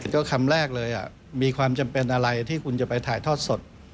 ก็คำแรกเลยมีความจำเป็นอะไรที่คุณจะไปถ่ายทอดสด